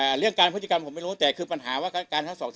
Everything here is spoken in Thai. เรื่องการพฤติกรรมผมไม่รู้แต่คือปัญหาว่าการทั้งสอง